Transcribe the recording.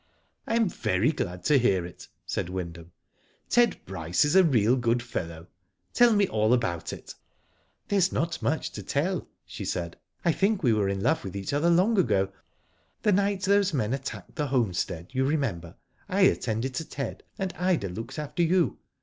*' I am very glad to hear it," said Wyndham. "Ted Bryce is a real good fellow. Tell me all about it." There is not much to telF," she said. "I think we were in love with each other long ago. The night those men attacked the homestead you remember I attended to Ted, and Ida looked after you.